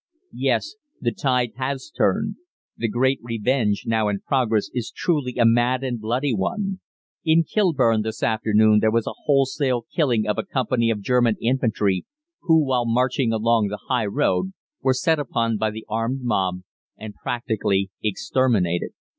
"Yes. The tide has turned. The great revenge now in progress is truly a mad and bloody one. In Kilburn this afternoon there was a wholesale killing of a company of German infantry, who, while marching along the High Road, were set upon by the armed mob, and practically exterminated.